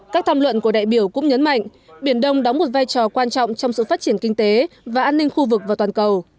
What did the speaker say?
các tham luận của đại biểu cũng nhấn mạnh biển đông đóng một vai trò quan trọng trong sự phát triển kinh tế và an ninh khu vực và toàn cầu